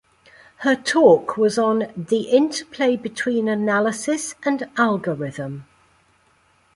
Her talk was on The Interplay Between Analysis and Algorithm.